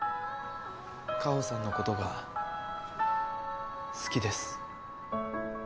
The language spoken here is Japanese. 果帆さんのことが好きです。